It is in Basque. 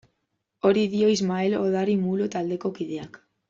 Hori dio Ismael Odari Mulo taldeko kideak.